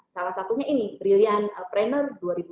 salah satunya ini brilliant pranner dua ribu dua puluh